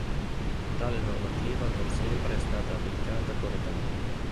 Tale normativa non sempre è stata applicata correttamente.